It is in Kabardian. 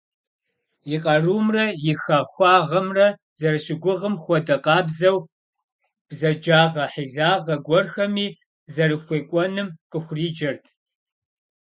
И къарумрэ и хахуагъэмрэ зэрыщыгугъым хуэдэ къабзэу, бзаджагъэ–хьилагъэ гуэрхэми зэрыхуекӀуэным къыхуриджэрт.